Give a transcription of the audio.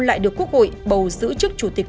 lại được quốc hội bầu giữ chức chủ tịch